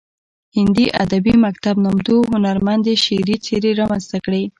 هندي ادبي مکتب نامتو هنرمندې شعري څیرې رامنځته کړې